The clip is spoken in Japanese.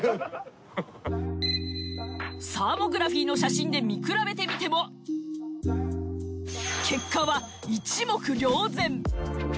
サーモグラフィーの写真で見比べてみても結果は一目瞭然。